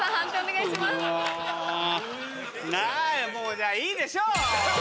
もうじゃあいいでしょう。